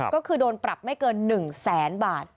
ก็คือโดนปรับไม่เกิน๑แสนบาท